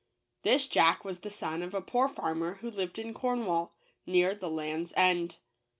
This Jack was the son of a poor farmer who lived in Cornwall, near the Land's end.